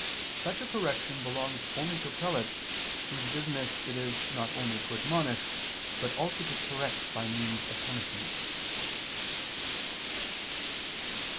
Such a correction belongs only to prelates, whose business it is not only to admonish, but also to correct by means of punishments.